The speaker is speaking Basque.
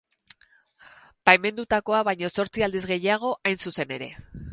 Baimendutakoa baino zortzi aldiz gehiago, hain zuzen ere.